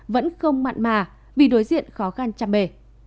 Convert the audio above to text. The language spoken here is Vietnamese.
vẫn không mặn mà vì đối diện khó khăn chăm bề